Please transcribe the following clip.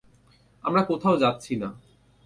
আমরা কোথাও যাচ্ছিনা।